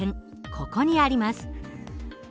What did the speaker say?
ここにあります。